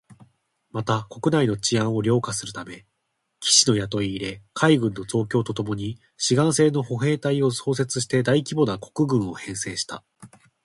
また、国内の治安を良化するため、騎士の雇い入れ、海軍の増強とともに志願制の歩兵隊を創設して大規模な国軍を編成した